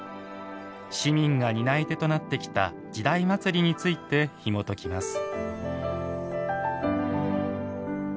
市民が担い手となってきた「時代祭」についてひもときます。